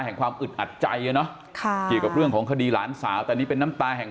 แห่งความอึดอัดใจนะของคดีหลานสาวแต่นี่เป็นน้ำตาแห่ง